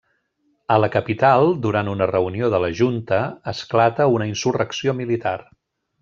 A la capital, durant una reunió de la Junta, esclata una insurrecció militar.